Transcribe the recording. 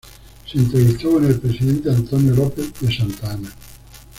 Se entrevistó con el presidente Antonio López de Santa Anna.